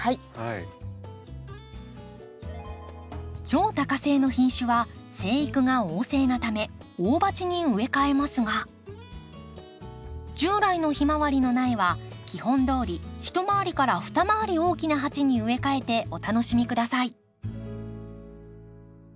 超多花性の品種は生育が旺盛なため大鉢に植え替えますが従来のヒマワリの苗は基本どおり一回りから二回り大きな鉢に植え替えてお楽しみ下さい。